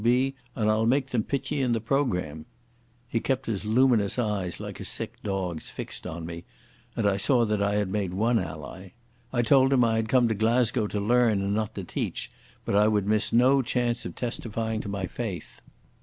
W.B., and I'll make them pit ye in the programme." He kept his luminous eyes, like a sick dog's, fixed on me, and I saw that I had made one ally. I told him I had come to Glasgow to learn and not to teach, but I would miss no chance of testifying to my faith.